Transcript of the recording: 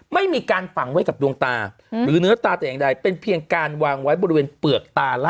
ไม่มีการฝังไว้กับดวงตาหรือเนื้อตาแต่อย่างใดเป็นเพียงการวางไว้บริเวณเปลือกตาล่า